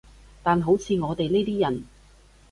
但好似我哋呢啲人